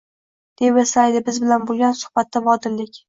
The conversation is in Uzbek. deb eslaydi biz bilan bo’lgan suhbatda vodillik